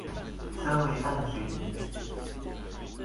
身為淡水人